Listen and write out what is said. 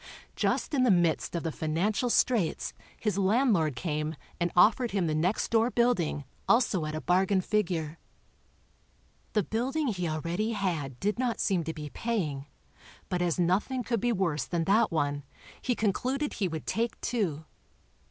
Just in the midst of the financial straits his landlord came and offered him the next door building also at a bargain figure. The building he already had did not seem to be paying, but as nothing could be worse than that one, he concluded he would take two.